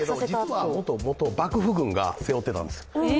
実はもともと幕府軍が背負っていたんです。